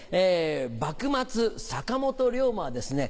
幕末坂本龍馬はですね